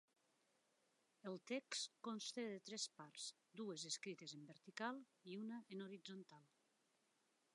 El text consta de tres parts, dues escrites en vertical i una en horitzontal.